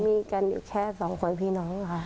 มีกันอยู่แค่สองคนพี่น้องค่ะ